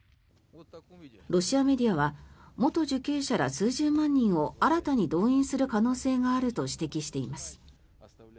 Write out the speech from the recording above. ロシアメディアは元受刑者ら数十万人を新たに動員する可能性があると指摘しています。